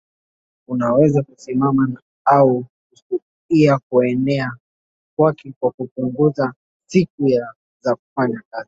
Unaweza kusimamisha au kuzuia kuenea kwake kwa kupunguza siku za kufanya kazi